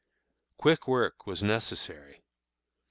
Quick work was necessary.